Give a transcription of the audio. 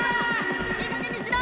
いいかげんにしろ！